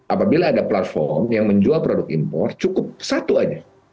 apabila ada platform yang menjual produk impor cukup satu aja